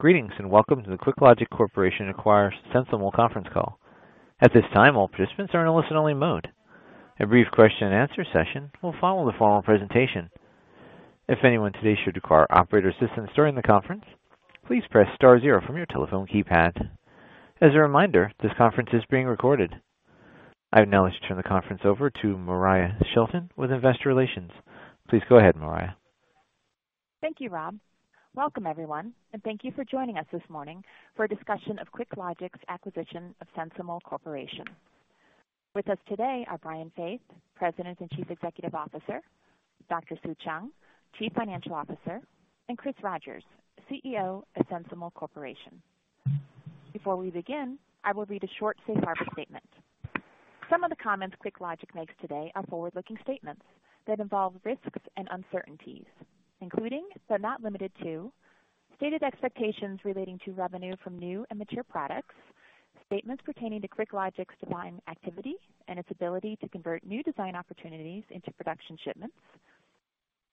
Greetings. Welcome to the QuickLogic Corporation acquires SensiML conference call. At this time, all participants are in a listen-only mode. A brief question-and-answer session will follow the formal presentation. If anyone today should require operator assistance during the conference, please press star zero from your telephone keypad. As a reminder, this conference is being recorded. I would now like to turn the conference over to Moriah Shilton with Investor Relations. Please go ahead, Moriah. Thank you, Rob. Welcome everyone. Thank you for joining us this morning for a discussion of QuickLogic's acquisition of SensiML Corporation. With us today are Brian Faith, President and Chief Executive Officer, Dr. Sue Cheung, Chief Financial Officer, and Chris Rogers, CEO of SensiML Corporation. Before we begin, I will read a short safe harbor statement. Some of the comments QuickLogic makes today are forward-looking statements that involve risks and uncertainties, including, but not limited to, stated expectations relating to revenue from new and mature products, statements pertaining to QuickLogic's design activity and its ability to convert new design opportunities into production shipments,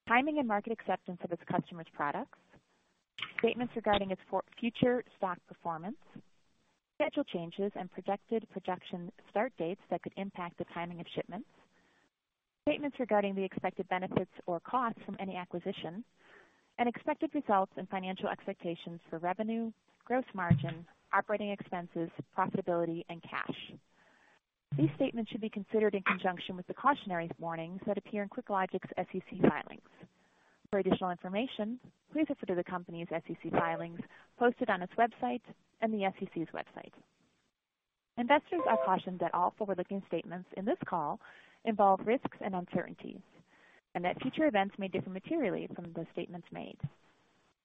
timing and market acceptance of its customers' products, statements regarding its future stock performance, schedule changes and projected production start dates that could impact the timing of shipments, statements regarding the expected benefits or costs from any acquisition, and expected results and financial expectations for revenue, gross margin, operating expenses, profitability, and cash. These statements should be considered in conjunction with the cautionary warnings that appear in QuickLogic's SEC filings. For additional information, please refer to the company's SEC filings posted on its website and the SEC's website. Investors are cautioned that all forward-looking statements in this call involve risks and uncertainties. Future events may differ materially from the statements made.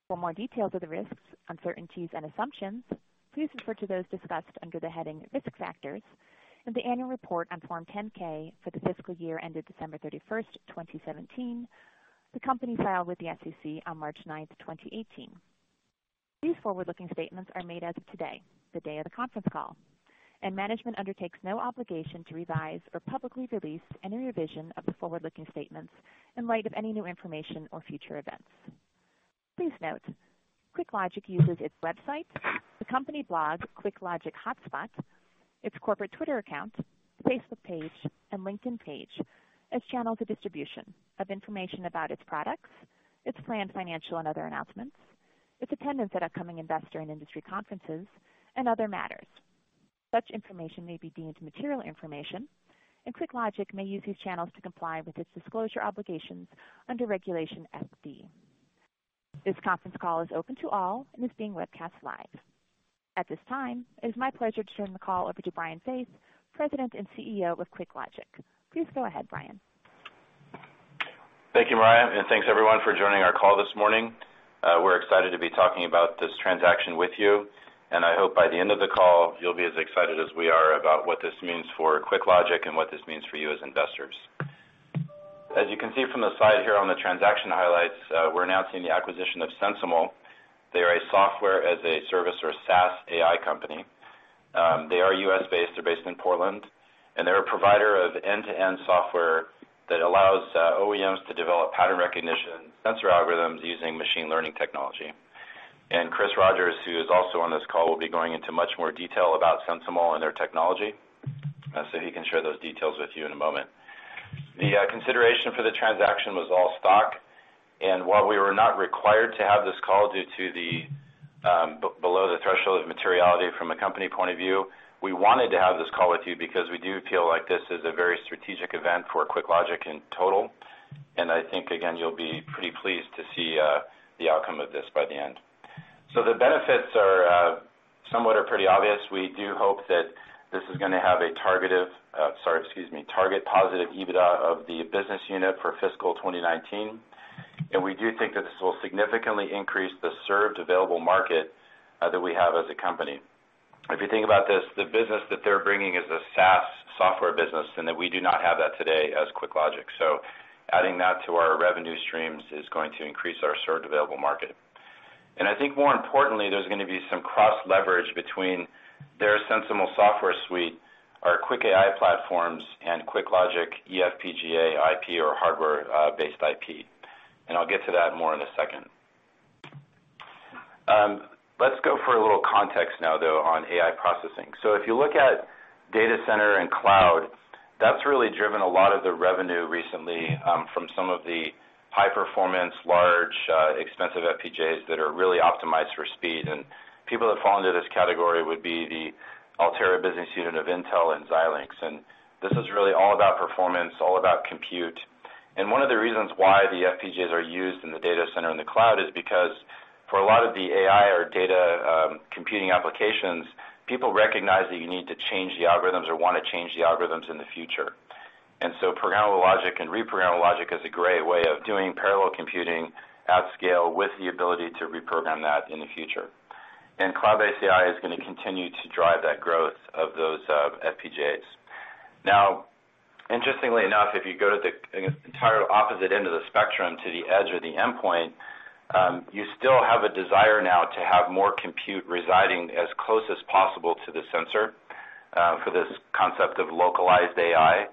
For more details of the risks, uncertainties, and assumptions, please refer to those discussed under the heading Risk Factors in the annual report on Form 10-K for the fiscal year ended December 31st, 2017, the company filed with the SEC on March 9th, 2018. These forward-looking statements are made as of today, the day of the conference call. Management undertakes no obligation to revise or publicly release any revision of the forward-looking statements in light of any new information or future events. Please note, QuickLogic uses its website, the company blog, QuickLogic HotSpot, its corporate Twitter account, Facebook page, and LinkedIn page as channels of distribution of information about its products, its planned financial and other announcements, its attendance at upcoming investor and industry conferences, and other matters. Such information may be deemed material information, and QuickLogic may use these channels to comply with its disclosure obligations under Regulation FD. This conference call is open to all and is being webcast live. At this time, it is my pleasure to turn the call over to Brian Faith, President and CEO of QuickLogic. Please go ahead, Brian. Thank you, Moriah, thanks everyone for joining our call this morning. We're excited to be talking about this transaction with you, I hope by the end of the call you'll be as excited as we are about what this means for QuickLogic and what this means for you as investors. As you can see from the slide here on the transaction highlights, we're announcing the acquisition of SensiML. They are a software-as-a-service or SaaS AI company. They are U.S.-based. They're based in Portland, they're a provider of end-to-end software that allows OEMs to develop pattern recognition sensor algorithms using machine learning technology. Chris Rogers, who is also on this call, will be going into much more detail about SensiML and their technology, he can share those details with you in a moment. The consideration for the transaction was all stock, while we were not required to have this call due to below the threshold of materiality from a company point of view, we wanted to have this call with you because we do feel like this is a very strategic event for QuickLogic in total, I think, again, you'll be pretty pleased to see the outcome of this by the end. The benefits are somewhat or pretty obvious. We do hope that this is gonna have a target positive EBITDA of the business unit for fiscal 2019, we do think that this will significantly increase the served available market that we have as a company. If you think about this, the business that they're bringing is a SaaS software business, that we do not have that today as QuickLogic. Adding that to our revenue streams is going to increase our served available market. I think more importantly, there's gonna be some cross-leverage between their SensiML software suite, our QuickAI platforms, and QuickLogic eFPGA IP or hardware-based IP. I'll get to that more in a second. Let's go for a little context now, though, on AI processing. If you look at data center and cloud, that's really driven a lot of the revenue recently from some of the high-performance, large, expensive FPGAs that are really optimized for speed. People that fall under this category would be the Altera business unit of Intel and Xilinx. This is really all about performance, all about compute. One of the reasons why the FPGAs are used in the data center and the cloud is because for a lot of the AI or data computing applications, people recognize that you need to change the algorithms or want to change the algorithms in the future. Programmable logic and reprogrammable logic is a great way of doing parallel computing at scale with the ability to reprogram that in the future. Cloud-based AI is gonna continue to drive that growth of those FPGAs. Now, interestingly enough, if you go to the entire opposite end of the spectrum to the edge or the endpoint, you still have a desire now to have more compute residing as close as possible to the sensor. For this concept of localized AI,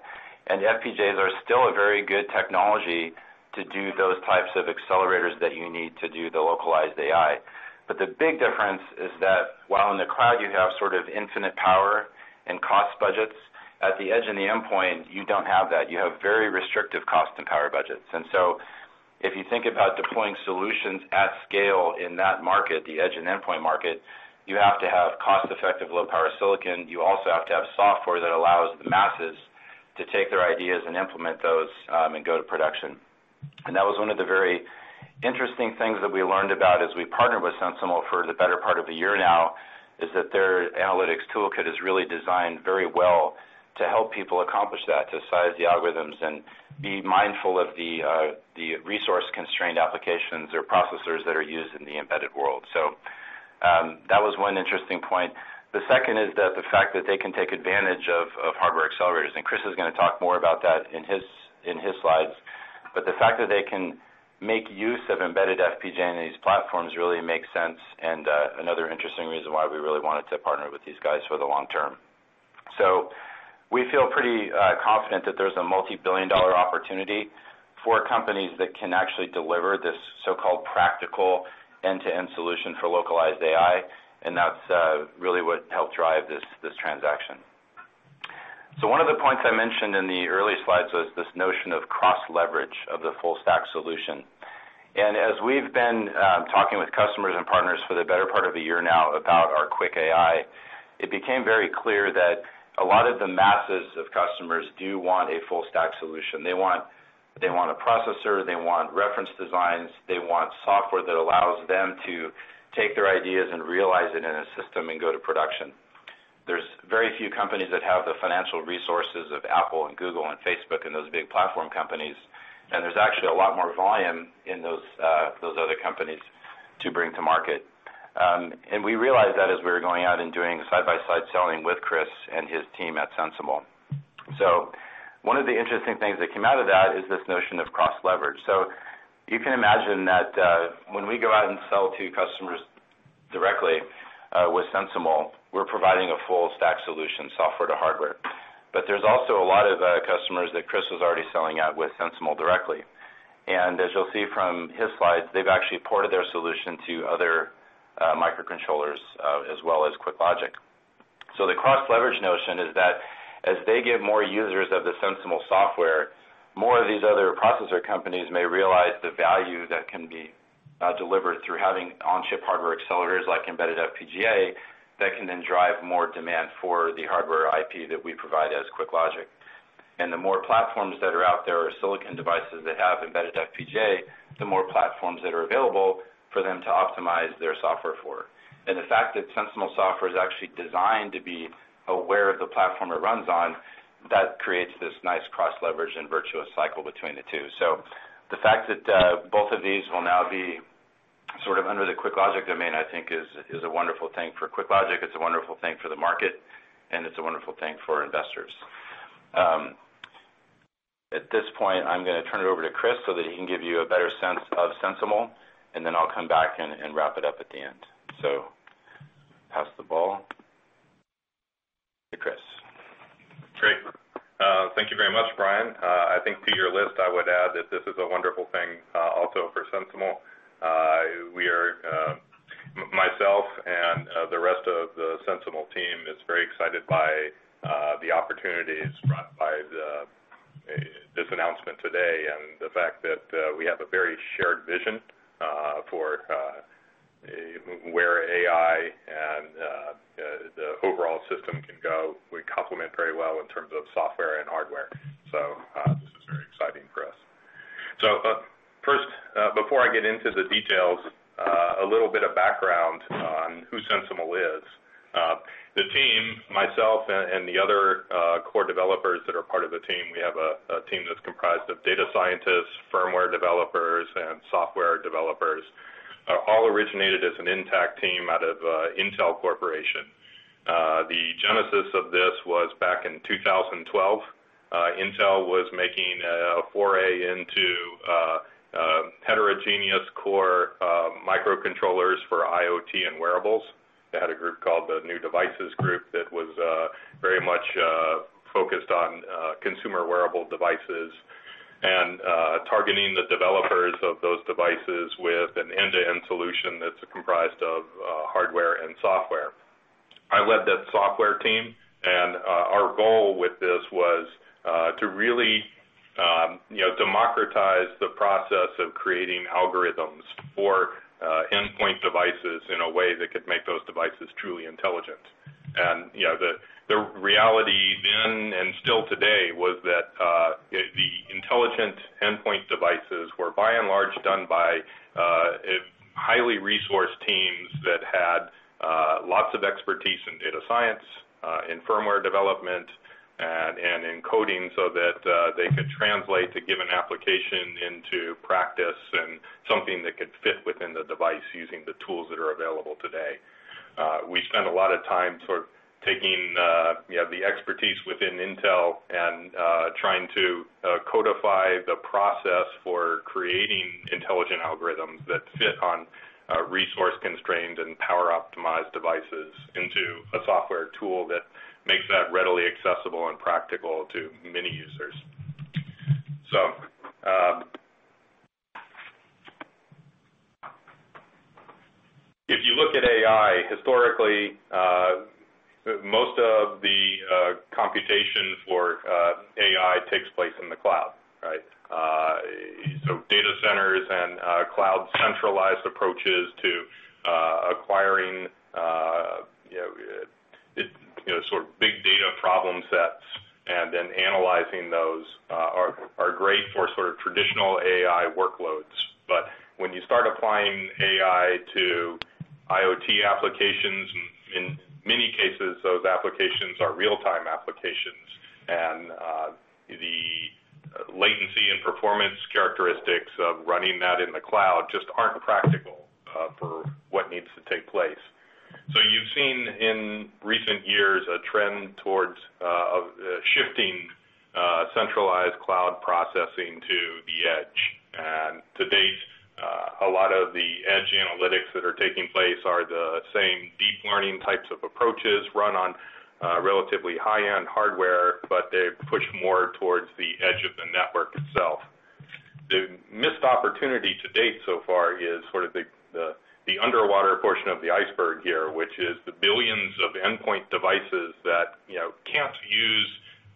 FPGAs are still a very good technology to do those types of accelerators that you need to do the localized AI. The big difference is that, while in the cloud you have infinite power and cost budgets, at the edge and the endpoint, you don't have that. You have very restrictive cost and power budgets. If you think about deploying solutions at scale in that market, the edge and endpoint market, you have to have cost-effective low-power silicon. You also have to have software that allows the masses to take their ideas and implement those, and go to production. That was one of the very interesting things that we learned about as we partnered with SensiML for the better part of a year now, is that their analytics toolkit is really designed very well to help people accomplish that, to size the algorithms, and be mindful of the resource-constrained applications or processors that are used in the embedded world. That was one interesting point. The second is the fact that they can take advantage of hardware accelerators, and Chris is gonna talk more about that in his slides. The fact that they can make use of embedded FPGA in these platforms really makes sense, and another interesting reason why we really wanted to partner with these guys for the long term. We feel pretty confident that there's a multi-billion dollar opportunity for companies that can actually deliver this so-called practical end-to-end solution for localized AI. That's really what helped drive this transaction. One of the points I mentioned in the early slides was this notion of cross-leverage of the full stack solution. As we've been talking with customers and partners for the better part of a year now about our QuickAI, it became very clear that a lot of the masses of customers do want a full stack solution. They want a processor, they want reference designs, they want software that allows them to take their ideas and realize it in a system and go to production. There's very few companies that have the financial resources of Apple and Google and Facebook and those big platform companies, there's actually a lot more volume in those other companies to bring to market. We realized that as we were going out and doing side-by-side selling with Chris and his team at SensiML. One of the interesting things that came out of that is this notion of cross-leverage. You can imagine that when we go out and sell to customers directly with SensiML, we're providing a full stack solution, software to hardware. There's also a lot of customers that Chris was already selling at with SensiML directly. As you'll see from his slides, they've actually ported their solution to other microcontrollers, as well as QuickLogic. The cross-leverage notion is that as they get more users of the SensiML software, more of these other processor companies may realize the value that can be delivered through having on-chip hardware accelerators like embedded FPGA that can then drive more demand for the hardware IP that we provide as QuickLogic. The more platforms that are out there, or silicon devices that have embedded FPGA, the more platforms that are available for them to optimize their software for. The fact that SensiML software is actually designed to be aware of the platform it runs on, that creates this nice cross-leverage and virtuous cycle between the two. The fact that both of these will now be under the QuickLogic domain, I think is a wonderful thing for QuickLogic, it's a wonderful thing for the market, and it's a wonderful thing for investors. At this point, I'm going to turn it over to Chris so that he can give you a better sense of SensiML, then I'll come back and wrap it up at the end. Pass the ball to Chris. Great. Thank you very much, Brian. I think to your list, I would add that this is a wonderful thing, also for SensiML. Myself and the rest of the SensiML team is very excited by the opportunities brought by this announcement today and the fact that we have a very shared vision, for where AI and the overall system can go. We complement very well in terms of software and hardware, this is very exciting for us. First, before I get into the details, a little bit of background on who SensiML is. The team, myself and the other core developers that are part of the team, we have a team that's comprised of data scientists, firmware developers, and software developers, all originated as an intact team out of Intel Corporation. The genesis of this was back in 2012. Intel was making a foray into heterogeneous core microcontrollers for IoT and wearables. They had a group called the New Devices Group that was very much focused on consumer wearable devices and targeting the developers of those devices with an end-to-end solution that's comprised of hardware and software. I led that software team, and our goal with this was to really democratize the process of creating algorithms for endpoint devices in a way that could make those devices truly intelligent. The reality then and still today was that the intelligent endpoint devices were by and large done by highly resourced teams that had lots of expertise in data science, in firmware development, and in coding so that they could translate the given application into practice and something that could fit within the device using the tools that are available today. We spent a lot of time taking the expertise within Intel and trying to codify the process for creating intelligent algorithms that fit on resource-constrained and power-optimized devices into a software tool that makes that readily accessible and practical to many users. If you look at AI, historically, most of the computation for AI takes place in the cloud, right? Data centers and cloud-centralized approaches to acquiring big data problem sets and then analyzing those are great for traditional AI workloads. When you start applying AI to IoT applications, in many cases, those applications are real-time applications. The latency and performance characteristics of running that in the cloud just aren't practical for what needs to take place. You've seen in recent years, a trend towards shifting centralized cloud processing to the edge. To date, a lot of the edge analytics that are taking place are the same deep learning types of approaches run on relatively high-end hardware, but they push more towards the edge of the network itself. The missed opportunity to date so far is the underwater portion of the iceberg here, which is the billions of endpoint devices that can't use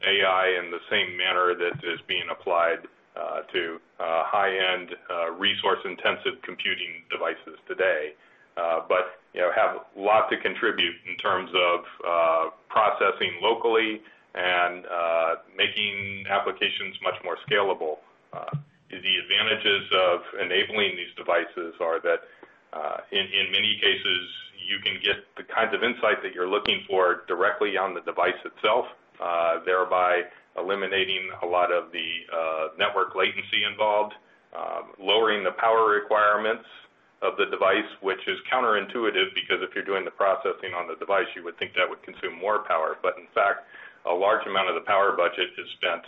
AI in the same manner that is being applied to high-end, resource-intensive computing devices today but have a lot to contribute in terms of processing locally and making applications much more scalable. The advantages of enabling these devices are that, in many cases, you can get the kinds of insight that you're looking for directly on the device itself, thereby eliminating a lot of the network latency involved, lowering the power requirements of the device, which is counterintuitive, because if you're doing the processing on the device, you would think that would consume more power. In fact, a large amount of the power budget is spent,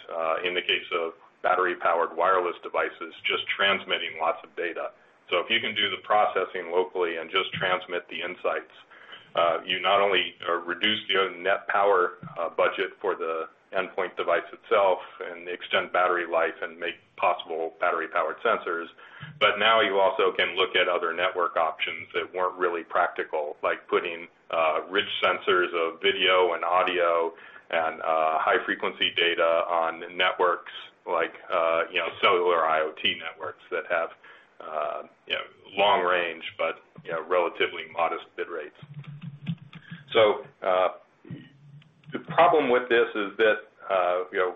in the case of battery-powered wireless devices, just transmitting lots of data. If you can do the processing locally and just transmit the insights, you not only reduce the net power budget for the endpoint device itself and extend battery life and make possible battery-powered sensors, but now you also can look at other network options that weren't really practical. Like putting rich sensors of video and audio and high-frequency data on networks like cellular IoT networks that have long range, but relatively modest bit rates. The problem with this is that,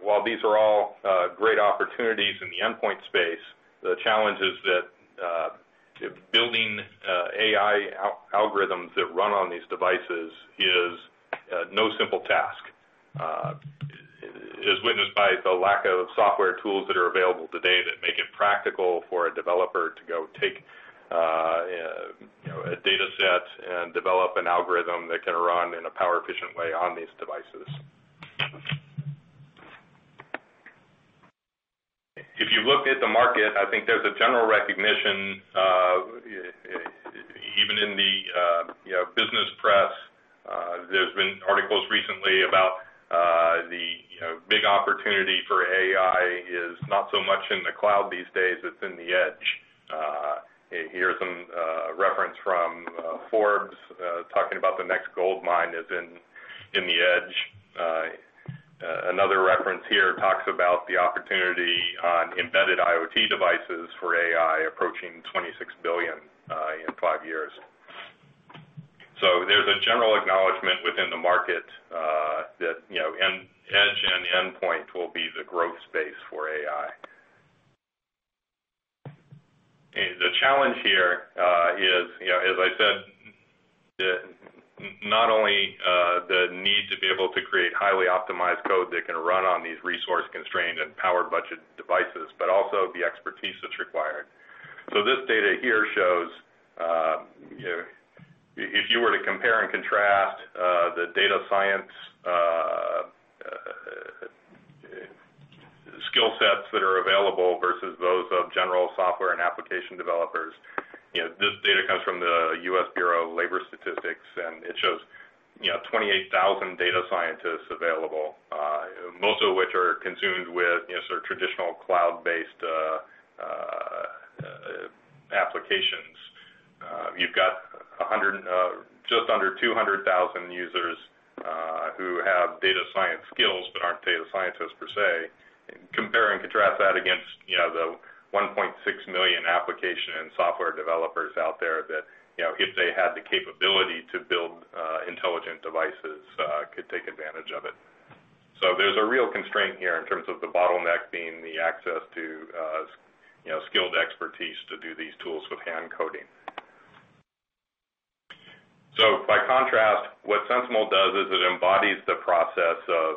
while these are all great opportunities in the endpoint space, the challenge is that building AI algorithms that run on these devices is no simple task, as witnessed by the lack of software tools that are available today that make it practical for a developer to go take a data set and develop an algorithm that can run in a power-efficient way on these devices. If you look at the market, I think there's a general recognition, even in the business press, there's been articles recently about the big opportunity for AI is not so much in the cloud these days, it's in the edge. Here are some reference from Forbes, talking about the next goldmine is in the edge. Another reference here talks about the opportunity on embedded IoT devices for AI approaching $26 billion in five years. There's a general acknowledgment within the market that edge and endpoint will be the growth space for AI. The challenge here is, as I said, that not only the need to be able to create highly optimized code that can run on these resource-constrained and power-budget devices, but also the expertise that's required. This data here shows, if you were to compare and contrast the data science skill sets that are available versus those of general software and application developers, this data comes from the U.S. Bureau of Labor Statistics, and it shows 28,000 data scientists available. Most of which are consumed with traditional cloud-based applications. You've got just under 200,000 users who have data science skills but aren't data scientists per se. Compare and contrast that against the 1.6 million application and software developers out there that, if they had the capability to build intelligent devices, could take advantage of it. There's a real constraint here in terms of the bottleneck being the access to skilled expertise to do these tools with hand-coding. By contrast, what SensiML does is it embodies the process of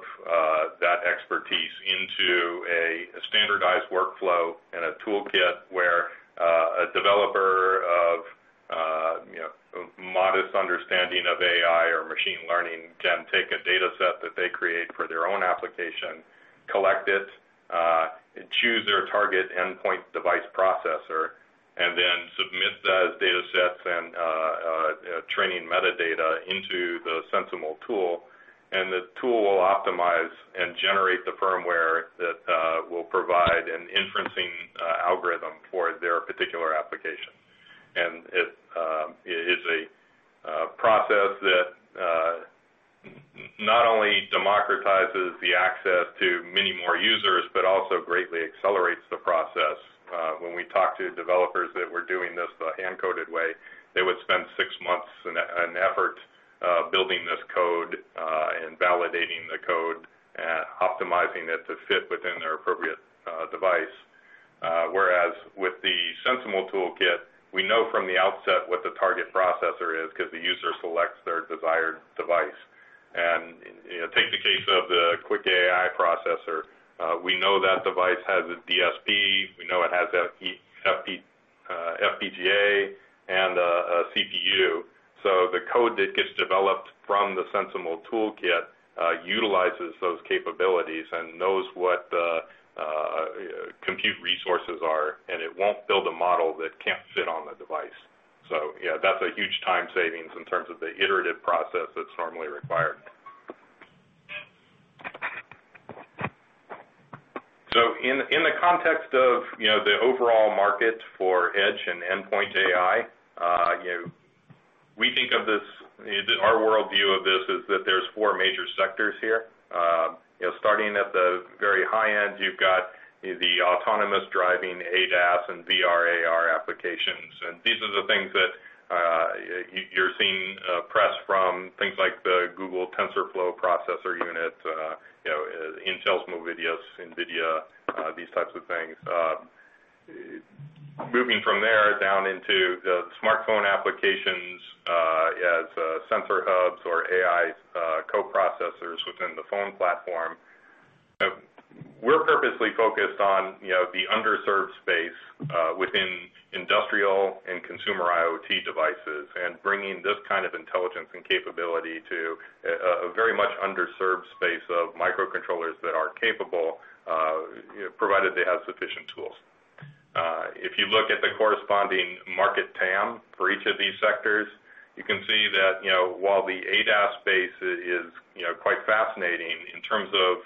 that expertise into a standardized workflow and a toolkit where a developer of modest understanding of AI or machine learning can take a data set that they create for their own application, collect it, choose their target endpoint device processor, and then submit those data sets and training metadata into the SensiML tool. The tool will optimize and generate the firmware that will provide an inferencing algorithm for their particular application. It is a process that not only democratizes the access to many more users, but also greatly accelerates the process. When we talk to developers that were doing this the hand-coded way, they would spend six months in effort building this code and validating the code, optimizing it to fit within their appropriate device. Whereas with the SensiML Analytics Toolkit, we know from the outset what the target processor is because the user selects their desired device. Take the case of the QuickAI processor. We know that device has a DSP, we know it has FPGA and a CPU. The code that gets developed from the SensiML Analytics Toolkit utilizes those capabilities and knows what the compute resources are, and it won't build a model that can't fit on the device. Yeah, that's a huge time savings in terms of the iterative process that's normally required. In the context of the overall market for edge and endpoint AI, our world view of this is that there's four major sectors here. Starting at the very high end, you've got the autonomous driving ADAS and VR/AR applications. These are the things that you're seeing press from things like the Google TensorFlow processor unit, Intel's Movidius, NVIDIA, these types of things. Moving from there down into the smartphone applications, as sensor hubs or AI co-processors within the phone platform. We're purposely focused on the underserved space within industrial and consumer IoT devices, and bringing this kind of intelligence and capability to a very much underserved space of microcontrollers that are capable, provided they have sufficient tools. If you look at the corresponding market TAM for each of these sectors, you can see that while the ADAS space is quite fascinating in terms of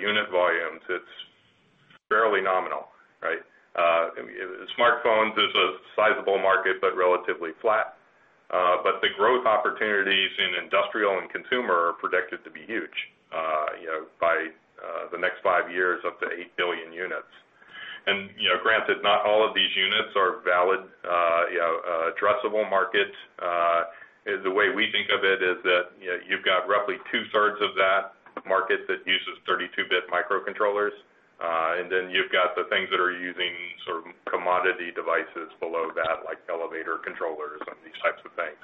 unit volumes, it's fairly nominal, right? Smartphones is a sizable market, but relatively flat. The growth opportunities in industrial and consumer are predicted to be huge, by the next five years, up to 8 billion units. Granted, not all of these units are valid addressable market. The way we think of it is that you've got roughly 2/3 of that market that uses 32-bit microcontrollers. You've got the things that are using commodity devices below that, like elevator controllers and these types of things,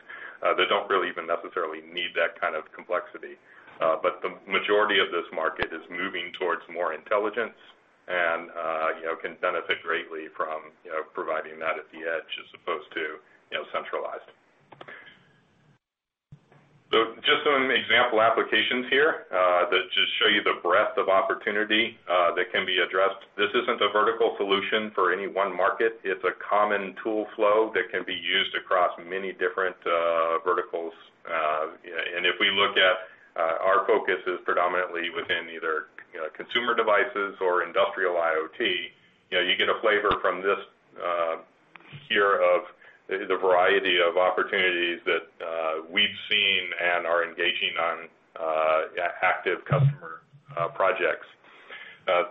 that don't really even necessarily need that kind of complexity. The majority of this market is moving towards more intelligence and can benefit greatly from providing that at the edge as opposed to centralized. Just some example applications here that just show you the breadth of opportunity that can be addressed. This isn't a vertical solution for any one market. It's a common tool flow that can be used across many different verticals. If we look at our focus is predominantly within either consumer devices or industrial IoT, you get a flavor from this here of the variety of opportunities that we've seen and are engaging on active customer projects.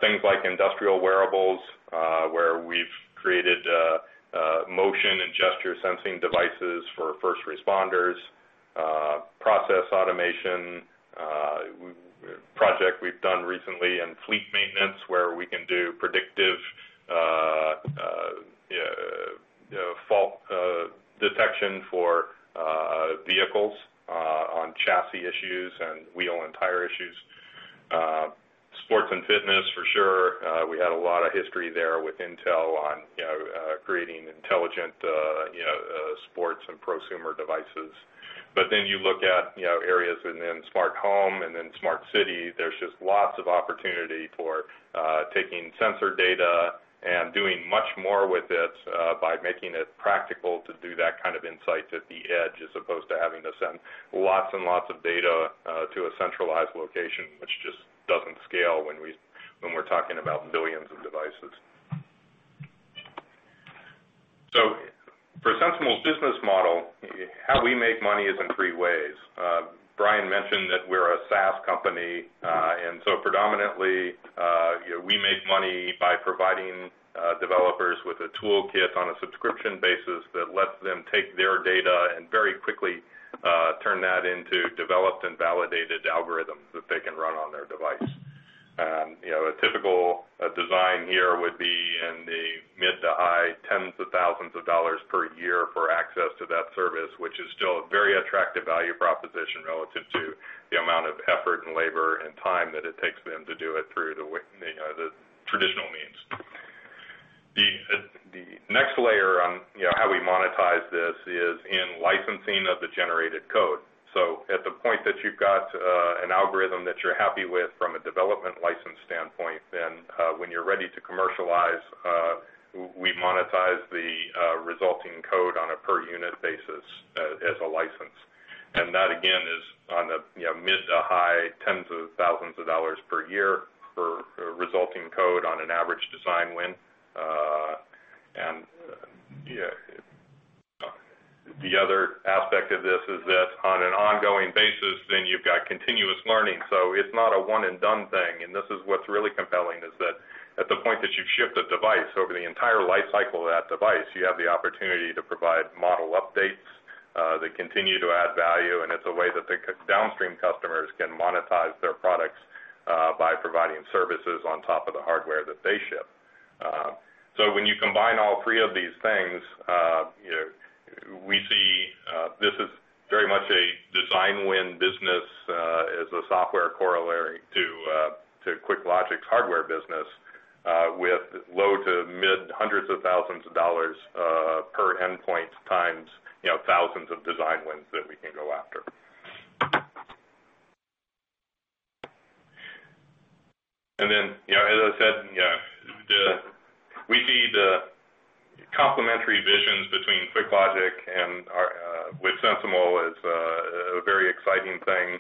Things like industrial wearables, where we've created motion and gesture sensing devices for first responders, process automation, a project we've done recently in fleet maintenance, where we can do predictive fault detection for vehicles on chassis issues and wheel and tire issues. Sports and fitness, for sure. We had a lot of history there with Intel on creating intelligent sports and prosumer devices. You look at areas and then smart home and then smart city, there's just lots of opportunity for taking sensor data and doing much more with it, by making it practical to do that kind of insight at the edge, as opposed to having to send lots and lots of data to a centralized location, which just doesn't scale when we're talking about billions of devices. For SensiML's business model, how we make money is in three ways. Brian mentioned that we're a SaaS company. Predominantly, we make money by providing developers with a toolkit on a subscription basis that lets them take their data and very quickly turn that into developed and validated algorithms that they can run on their device. A typical design here would be in the mid to high tens of thousands of dollars per year for access to that service, which is still a very attractive value proposition relative to the amount of effort and labor and time that it takes them to do it through the traditional means. The next layer on how we monetize this is in licensing of the generated code. At the point that you've got an algorithm that you're happy with from a development license standpoint, when you're ready to commercialize, we monetize the resulting code on a per unit basis as a license. That, again, is on the mid to high tens of thousands of dollars per year for resulting code on an average design win. The other aspect of this is that on an ongoing basis, then you've got continuous learning, so it's not a one-and-done thing. This is what's really compelling is that at the point that you ship the device, over the entire life cycle of that device, you have the opportunity to provide model updates that continue to add value. It's a way that the downstream customers can monetize their products, by providing services on top of the hardware that they ship. When you combine all three of these things, we see this is very much a design win business, as a software corollary to QuickLogic's hardware business, with low to mid hundreds of thousands dollars per endpoint times thousands of design wins that we can go after. As I said, we see the complementary visions between QuickLogic and with SensiML as a very exciting thing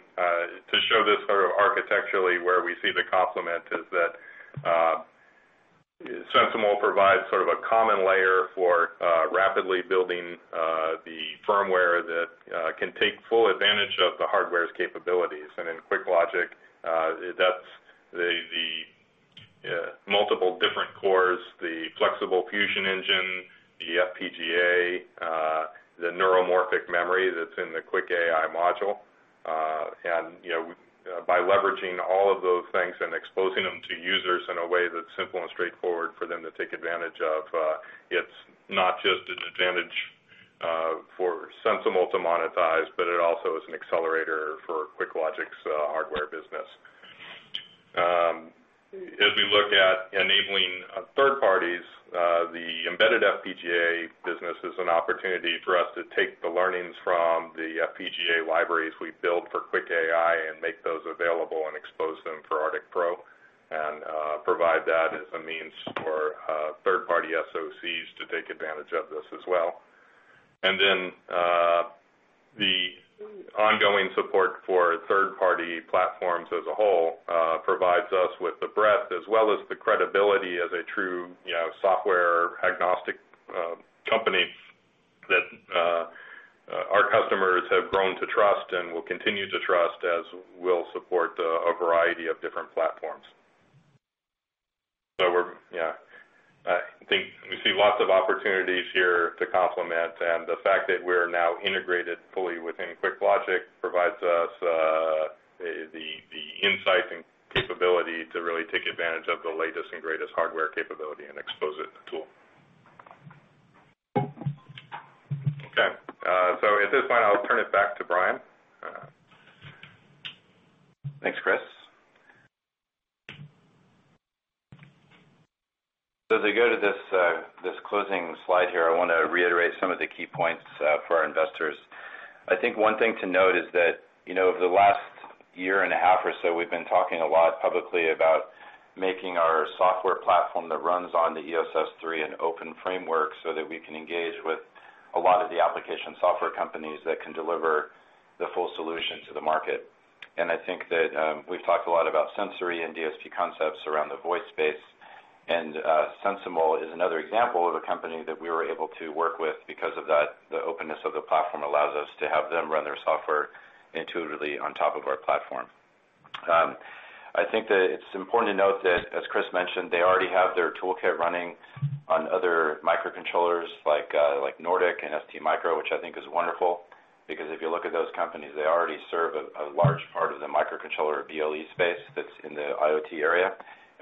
to show this sort of architecturally where we see the complement is that SensiML provides sort of a common layer for rapidly building the firmware that can take full advantage of the hardware's capabilities. In QuickLogic, that's the multiple different cores, the Flexible Fusion Engine, the FPGA, the neuromorphic memory that's in the QuickAI module. By leveraging all of those things and exposing them to users in a way that's simple and straightforward for them to take advantage of, it's not just an advantage for SensiML to monetize, but it also is an accelerator for QuickLogic's hardware business. As we look at enabling third parties, the embedded FPGA business is an opportunity for us to take the learnings from the FPGA libraries we've built for QuickAI and make those available and expose them for ArcticPro, and provide that as a means for third-party SoCs to take advantage of this as well. The ongoing support for third-party platforms as a whole, provides us with the breadth as well as the credibility as a true software-agnostic company that our customers have grown to trust and will continue to trust as we'll support a variety of different platforms. I think we see lots of opportunities here to complement, and the fact that we're now integrated fully within QuickLogic provides us the insight and capability to really take advantage of the latest and greatest hardware capability and expose it to the tool. Okay. At this point, I'll turn it back to Brian. Thanks, Chris. As I go to this closing slide here, I want to reiterate some of the key points for our investors. I think one thing to note is that over the last year and a half or so, we've been talking a lot publicly about making our software platform that runs on the EOS S3 an open framework, so that we can engage with a lot of the application software companies that can deliver the full solution to the market. I think that we've talked a lot about Sensory and DSP Concepts around the voice space, and SensiML is another example of a company that we were able to work with because of that. The openness of the platform allows us to have them run their software intuitively on top of our platform. I think that it's important to note that, as Chris mentioned, they already have their toolkit running on other microcontrollers like Nordic and STMicro, which I think is wonderful, because if you look at those companies, they already serve a large part of the microcontroller BLE space that's in the IoT area.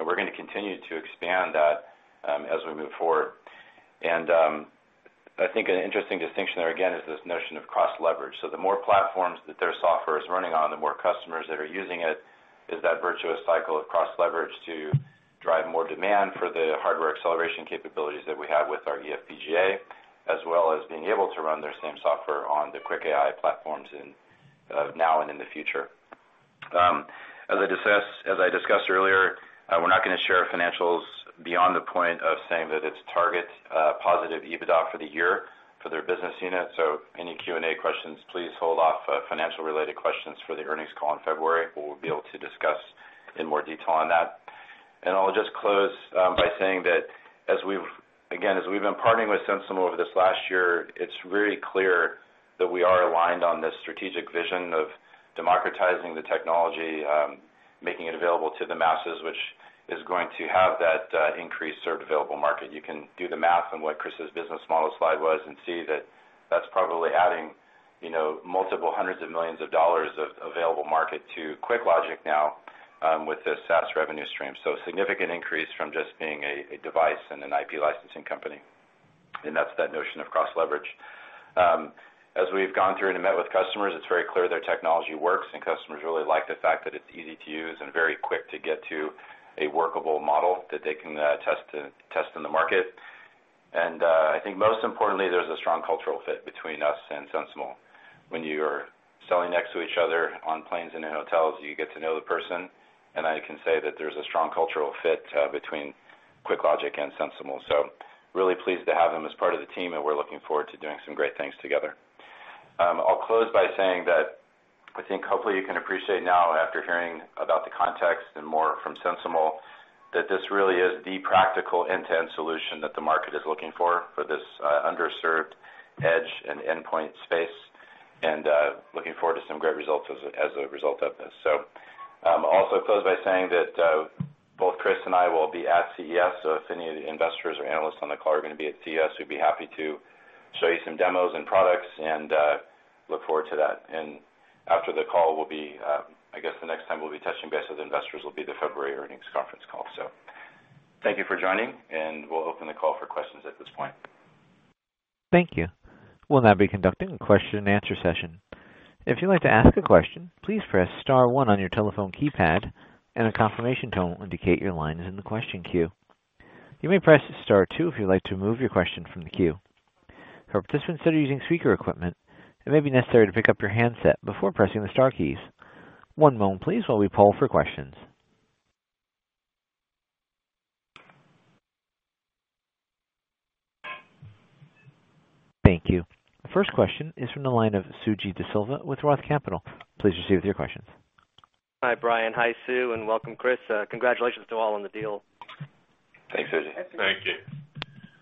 We're going to continue to expand that as we move forward. I think an interesting distinction there, again, is this notion of cross-leverage. The more platforms that their software is running on, the more customers that are using it, is that virtuous cycle of cross-leverage to drive more demand for the hardware acceleration capabilities that we have with our eFPGA, as well as being able to run their same software on the QuickAI platforms now and in the future. As I discussed earlier, we're not going to share financials beyond the point of saying that it's target positive EBITDA for the year for their business unit. Any Q&A questions, please hold off financial related questions for the earnings call in February. We'll be able to discuss in more detail on that. I'll just close by saying that, again, as we've been partnering with SensiML over this last year, it's really clear that we are aligned on this strategic vision of democratizing the technology, making it available to the masses, which is going to have that increased served available market. You can do the math on what Chris's business model slide was and see that that's probably adding multiple hundreds of millions of dollars of available market to QuickLogic now, with this SaaS revenue stream. A significant increase from just being a device and an IP licensing company, and that's that notion of cross-leverage. As we've gone through to meet with customers, it's very clear their technology works, and customers really like the fact that it's easy to use and very quick to get to a workable model that they can test in the market. I think most importantly, there's a strong cultural fit between us and SensiML. When you're selling next to each other on planes and in hotels, you get to know the person, and I can say that there's a strong cultural fit between QuickLogic and SensiML. Really pleased to have them as part of the team, and we're looking forward to doing some great things together. I'll close by saying that I think hopefully you can appreciate now, after hearing about the context and more from SensiML, that this really is the practical end-to-end solution that the market is looking for this underserved edge and endpoint space, and looking forward to some great results as a result of this. I'll also close by saying that both Chris and I will be at CES, so if any of the investors or analysts on the call are going to be at CES, we'd be happy to show you some demos and products, and look forward to that. After the call, I guess, the next time we'll be touching base with investors will be the February earnings conference call. Thank you for joining, and we'll open the call for questions at this point. Thank you. We'll now be conducting a question and answer session. If you'd like to ask a question, please press star one on your telephone keypad, and a confirmation tone will indicate your line is in the question queue. You may press star two if you'd like to remove your question from the queue. For participants that are using speaker equipment, it may be necessary to pick up your handset before pressing the star keys. One moment please while we poll for questions. Thank you. The first question is from the line of Suji Desilva with Roth Capital. Please proceed with your questions. Hi, Brian. Hi, Sue, welcome, Chris. Congratulations to all on the deal. Thanks, Suji. Thank you.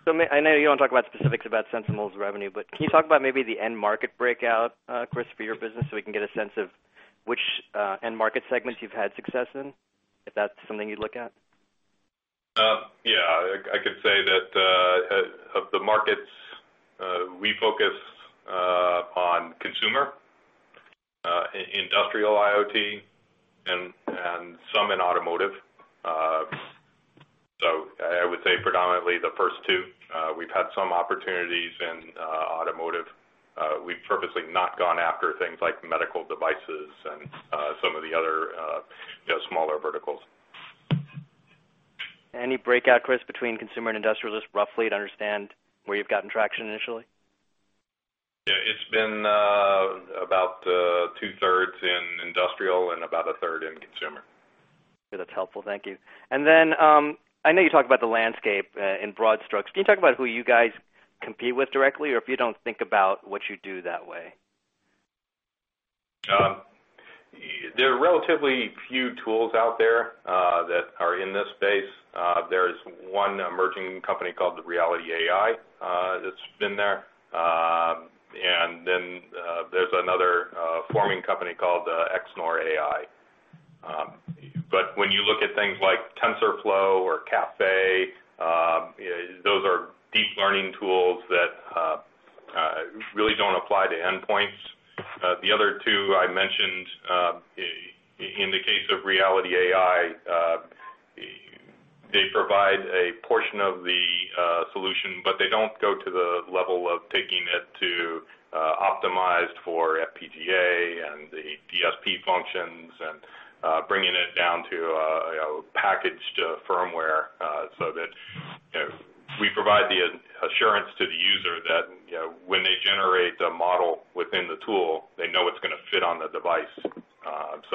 I know you don't want to talk about specifics about SensiML's revenue, but can you talk about maybe the end market breakout, Chris, for your business so we can get a sense of which end market segments you've had success in, if that's something you'd look at? Yeah. I can say that of the markets, we focus on consumer, industrial IoT, and some in automotive. I would say predominantly the first two. We've had some opportunities in automotive. We've purposely not gone after things like medical devices and some of the other smaller verticals. Any breakout, Chris, between consumer and industrial, just roughly to understand where you've gotten traction initially? Yeah, it's been about 2/3 in industrial and about 1/3 in consumer. That's helpful. Thank you. Then, I know you talked about the landscape in broad strokes. Can you talk about who you guys compete with directly? If you don't think about what you do that way. There are relatively few tools out there that are in this space. There's one emerging company called Reality AI that's been there. Then there's another forming company called Xnor.ai. When you look at things like TensorFlow or Caffe, those are deep learning tools that really don't apply to endpoints. The other two I mentioned, in the case of Reality AI, they provide a portion of the solution, but they don't go to the level of taking it to optimized for FPGA and the DSP functions and bringing it down to a packaged firmware that we provide the assurance to the user that when they generate the model within the tool, they know it's going to fit on the device.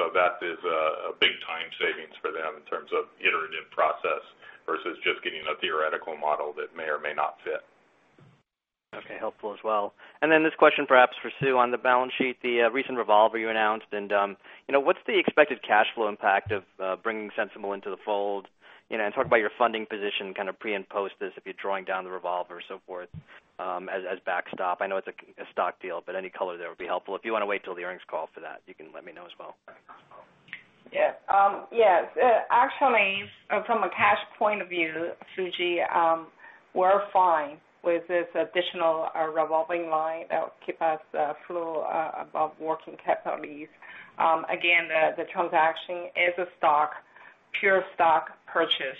That is a big time savings for them in terms of iterative process versus just getting a theoretical model that may or may not fit. Okay, helpful as well. Then this question perhaps for Sue on the balance sheet, the recent revolver you announced, what's the expected cash flow impact of bringing SensiML into the fold? Talk about your funding position pre and post this, if you're drawing down the revolver or so forth as backstop? I know it's a stock deal, but any color there would be helpful. If you want to wait till the earnings call for that, you can let me know as well. Yeah. Actually, from a cash point of view, Suji, we're fine with this additional revolving line that will keep us afloat above working capital, at least. Again, the transaction is a pure stock purchase,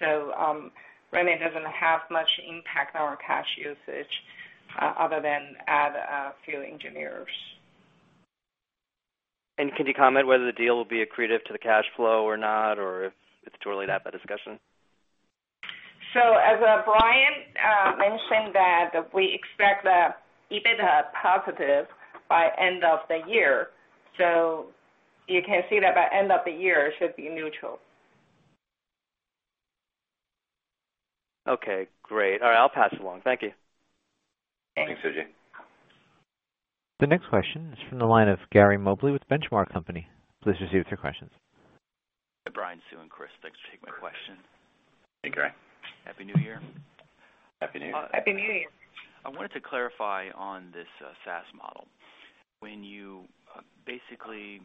really it doesn't have much impact on our cash usage other than add a few engineers. Could you comment whether the deal will be accretive to the cash flow or not, or if it's too early to have that discussion? As Brian mentioned that we expect the EBITDA positive by end of the year, you can see that by end of the year, it should be neutral. Okay, great. All right, I'll pass it along. Thank you. Thanks, Suji. The next question is from the line of Gary Mobley with The Benchmark Company. Please proceed with your questions. Hi, Brian, Sue, and Chris. Thanks for taking my question. Hey, Gary. Happy New Year. Happy New Year. Happy New Year. I wanted to clarify on this SaaS model. When you basically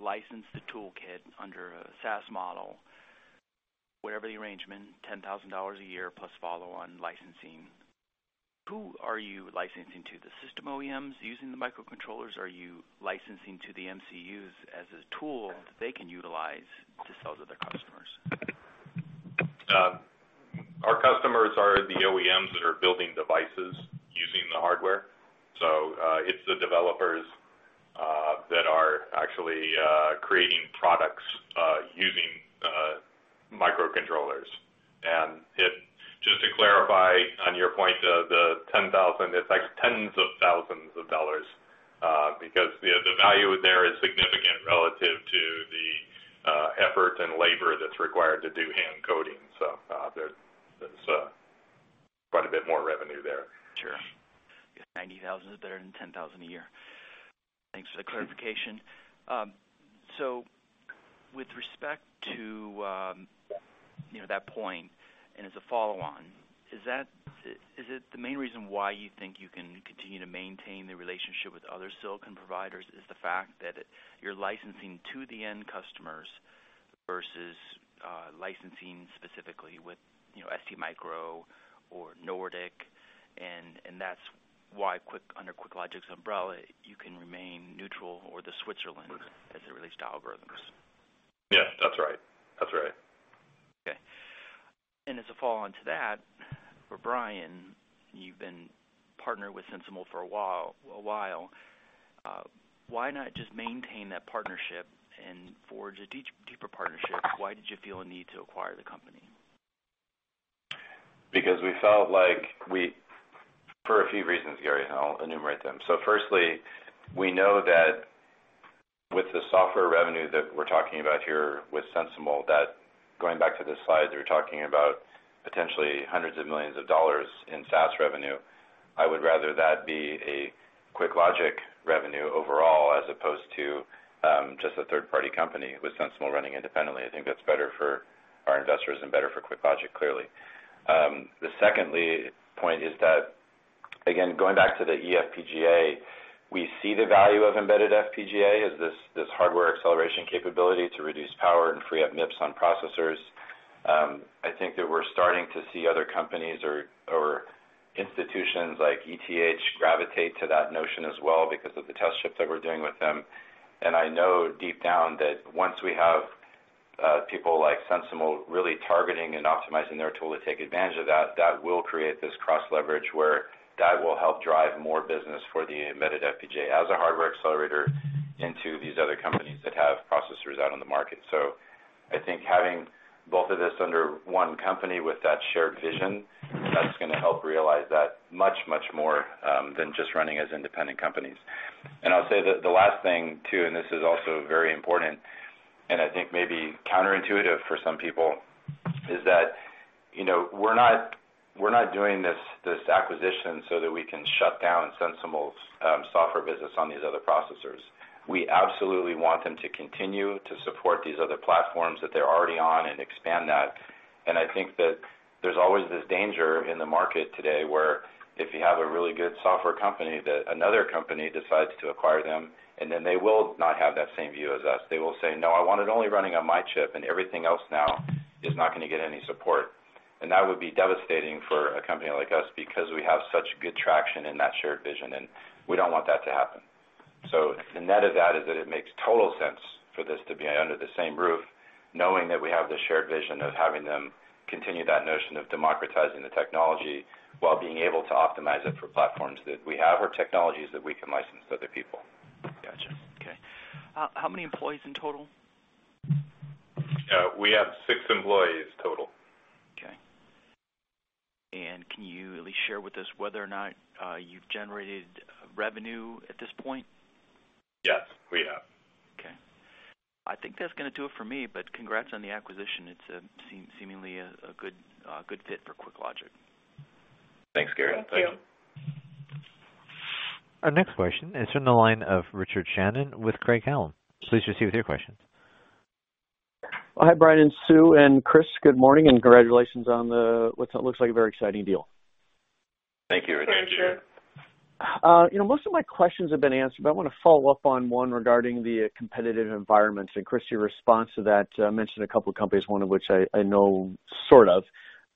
license the toolkit under a SaaS model, whatever the arrangement, $10,000 a year plus follow-on licensing, who are you licensing to? The system OEMs using the microcontrollers? Are you licensing to the MCUs as a tool that they can utilize to sell to their customers? Our customers are the OEMs that are building devices using the hardware. It's the developers that are actually creating products using microcontrollers. Just to clarify on your point, the $10,000, it's actually tens of thousands of dollars, because the value there is significant relative to the effort and labor that's required to do hand coding. There's quite a bit more revenue there. Sure. I guess $90,000 is better than $10,000 a year. Thanks for the clarification. With respect to that point, and as a follow-on, is it the main reason why you think you can continue to maintain the relationship with other silicon providers, is the fact that you're licensing to the end customers versus licensing specifically with STMicro or Nordic, and that's why under QuickLogic's umbrella, you can remain neutral, or the Switzerland as it relates to algorithms? Yeah, that's right. Okay. As a follow-on to that, for Brian, you've been partnered with SensiML for a while. Why not just maintain that partnership and forge a deeper partnership? Why did you feel a need to acquire the company? Because we felt like. For a few reasons, Gary, and I'll enumerate them. Firstly, we know that with the software revenue that we're talking about here with SensiML, that going back to the slide, they're talking about potentially hundreds of millions of dollars in SaaS revenue. I would rather that be a QuickLogic revenue overall, as opposed to just a third-party company with SensiML running independently. I think that's better for our investors and better for QuickLogic, clearly. The secondly point is that, again, going back to the eFPGA, we see the value of embedded FPGA as this hardware acceleration capability to reduce power and free up MIPS on processors. I think that we're starting to see other companies or institutions like ETH gravitate to that notion as well because of the test chip that we're doing with them. I know deep down that once we have people like SensiML really targeting and optimizing their tool to take advantage of that will create this cross-leverage where that will help drive more business for the embedded FPGA as a hardware accelerator into these other companies that have processors out on the market. I think having both of this under one company with that shared vision, that's going to help realize that much, much more than just running as independent companies. I'll say the last thing, too, and this is also very important and I think maybe counterintuitive for some people, is that we're not doing this acquisition so that we can shut down SensiML's software business on these other processors. We absolutely want them to continue to support these other platforms that they're already on and expand that. I think that there's always this danger in the market today where if you have a really good software company, that another company decides to acquire them, then they will not have that same view as us. They will say, "No, I want it only running on my chip," and everything else now is not going to get any support. That would be devastating for a company like us, because we have such good traction in that shared vision, and we don't want that to happen. The net of that is that it makes total sense for this to be under the same roof, knowing that we have the shared vision of having them continue that notion of democratizing the technology while being able to optimize it for platforms that we have, or technologies that we can license to other people. Got you. Okay. How many employees in total? We have six employees total. Okay. Can you at least share with us whether or not you've generated revenue at this point? Yes, we have. Okay. I think that's going to do it for me, but congrats on the acquisition. It's seemingly a good fit for QuickLogic. Thanks, Gary. Thank you. Thank you. Our next question is from the line of Richard Shannon with Craig-Hallum. Please proceed with your question. Hi, Brian, Sue, and Chris, good morning, and congratulations on what looks like a very exciting deal. Thank you, Richard. Thanks, Richard. Most of my questions have been answered, but I want to follow up on one regarding the competitive environment. Chris, your response to that mentioned a couple of companies, one of which I know sort of.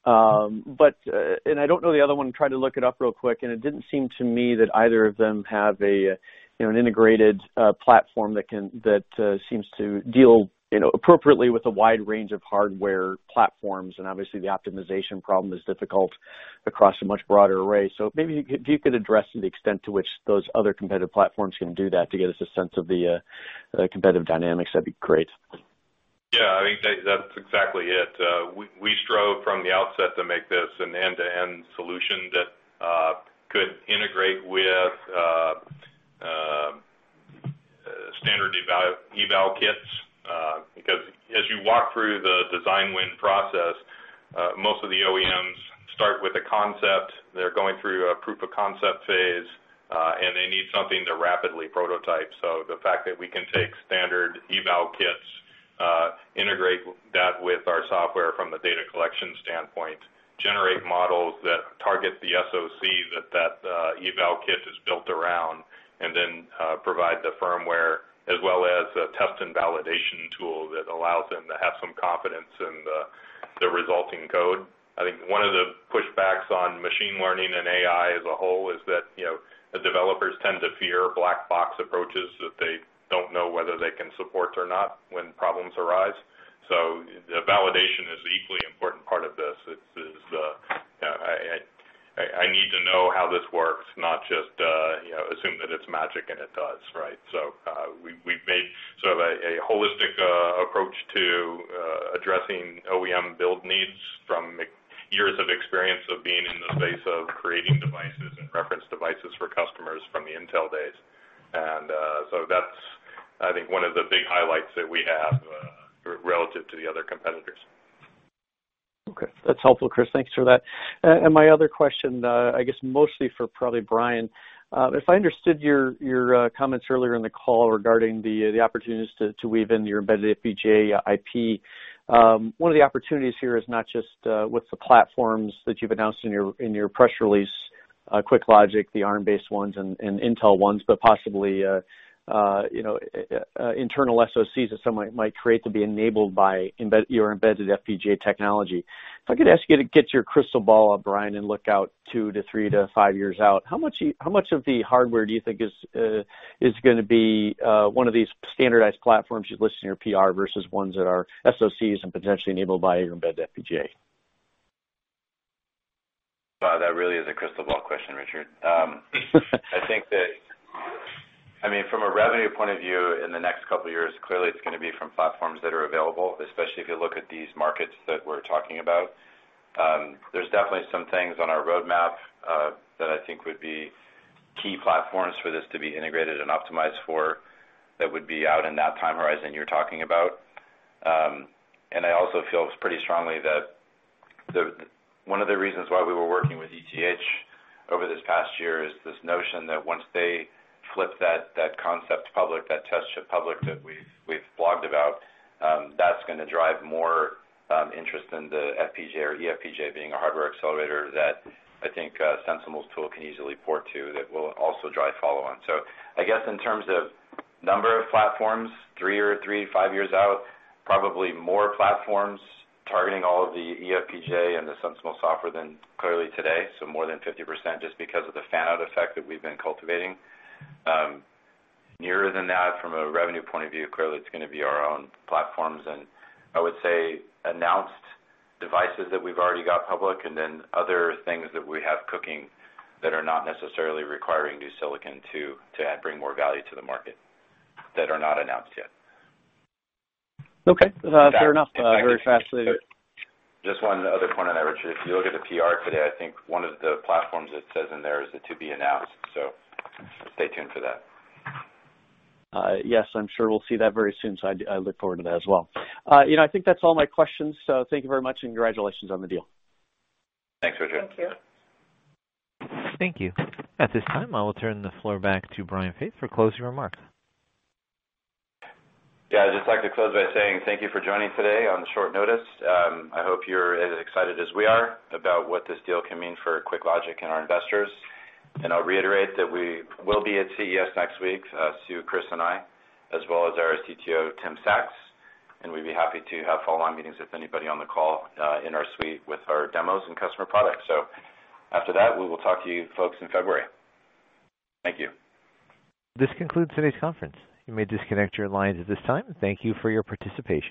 I don't know the other one. Tried to look it up real quick, and it didn't seem to me that either of them have an integrated platform that seems to deal appropriately with a wide range of hardware platforms, and obviously, the optimization problem is difficult across a much broader array. Maybe if you could address the extent to which those other competitive platforms can do that to give us a sense of the competitive dynamics, that'd be great. Yeah, I think that's exactly it. We strove from the outset to make this an end-to-end solution that could integrate with standard evaluation kits, because as you walk through the design win process, most of the OEMs start with a concept. They're going through a proof of concept phase, and they need something to rapidly prototype. The fact that we can take standard evaluation kits, integrate that with our software from the data collection standpoint, generate models that target the SoC that that evaluation kit is built around, and then provide the firmware as well as a test and validation tool that allows them to have some confidence in the resulting code. I think one of the pushbacks on machine learning and AI as a whole is that the developers tend to fear black box approaches that they don't know whether they can support or not when problems arise. The validation is an equally important part of this. I need to know how this works, not just assume that it's magic and it does, right? We've made a holistic approach to addressing OEM build needs from years of experience of being in the space of creating devices and reference devices for customers from the Intel days. That's, I think, one of the big highlights that we have relative to the other competitors. Okay. That's helpful, Chris. Thanks for that. My other question, I guess mostly for probably Brian. If I understood your comments earlier in the call regarding the opportunities to weave in your embedded FPGA IP, one of the opportunities here is not just with the platforms that you've announced in your press release, QuickLogic, the Arm-based ones and Intel ones, but possibly internal SoCs that someone might create to be enabled by your embedded FPGA technology. If I could ask you to get your crystal ball out, Brian, and look out two to three to five years out, how much of the hardware do you think is going to be one of these standardized platforms you list in your PR versus ones that are SoCs and potentially enabled by your embedded FPGA? Wow, that really is a crystal ball question, Richard. From a revenue point of view, in the next couple of years, clearly, it's going to be from platforms that are available, especially if you look at these markets that we're talking about. There's definitely some things on our roadmap that I think would be key platforms for this to be integrated and optimized for that would be out in that time horizon you're talking about. I also feel pretty strongly that one of the reasons why we were working with ETH over this past year is this notion that once they flip that concept public, that test chip public that we've blogged about, that's going to drive more interest in the FPGA or eFPGA being a hardware accelerator that I think SensiML's tool can easily port to that will also drive follow-on. I guess in terms of number of platforms, three or five years out, probably more platforms targeting all of the eFPGA and the SensiML software than clearly today, so more than 50%, just because of the fan-out effect that we've been cultivating. Nearer than that, from a revenue point of view, clearly it's going to be our own platforms and, I would say, announced devices that we've already got public. Other things that we have cooking that are not necessarily requiring new silicon to bring more value to the market that are not announced yet. Okay. Fair enough. Very fascinating. Just one other point on that, Richard. If you look at the PR today, I think one of the platforms it says in there is the to-be-announced. Stay tuned for that. Yes, I'm sure we'll see that very soon, so I look forward to that as well. I think that's all my questions, so thank you very much, and congratulations on the deal. Thanks, Richard. Thank you. Thank you. At this time, I will turn the floor back to Brian Faith for closing remarks. Yeah, I'd just like to close by saying thank you for joining today on short notice. I hope you're as excited as we are about what this deal can mean for QuickLogic and our investors. I'll reiterate that we will be at CES next week, Sue, Chris, and I, as well as our CTO, Timothy Saxe, and we'd be happy to have follow-on meetings with anybody on the call in our suite with our demos and customer products. After that, we will talk to you folks in February. Thank you. This concludes today's conference. You may disconnect your lines at this time. Thank you for your participation.